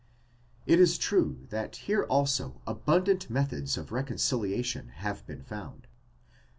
It is true that here also abundant methods of reconciliation have been found.